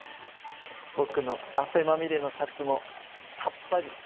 僕の汗まみれのシャツもさっぱり！